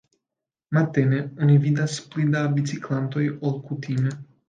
Matene oni vidis pli da biciklantoj ol kutime.